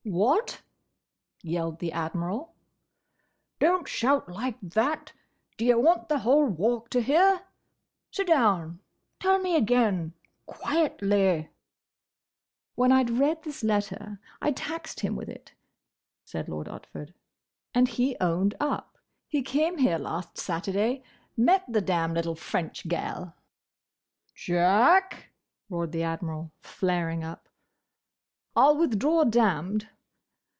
"What!" yelled the Admiral. "Don't shout like that! D' ye want the whole Walk to hear?—Sit down. Tell me again: quietly!" "When I 'd read this letter, I taxed him with it," said Lord Otford, "and he owned up. He came here last Saturday: met the damned little French gel—" "Jack!" roared the Admiral, flaring up. "I'll withdraw 'damned.